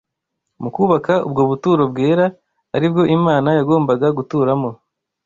Mu kubaka ubwo buturo bwera ari bwo Imana yagombaga guturamo